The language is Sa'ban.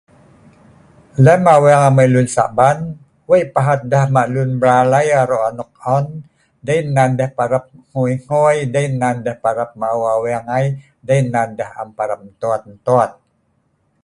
Lem aweeng amai lun Saban, wei pahat deh ma' lun mral ai aro' anok on, dei nan deh parap ngoei ngoei, dei nan deh parap ma'au aweeng ai, dei nan deh am parap ntoet ntoet.